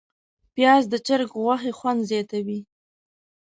پیاز د چرګ غوښې خوند زیاتوي